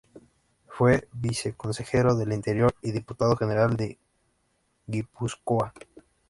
Fue viceconsejero de Interior y Diputado general de Guipúzcoa.